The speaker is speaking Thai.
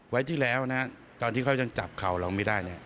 วันที่แล้วตอนที่เขาอาจจะจับเข่าเราไม่ได้